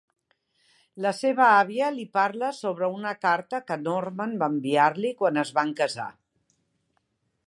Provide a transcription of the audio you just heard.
La seva àvia li parla sobre una carta que Norman va enviar-li quan es van casar.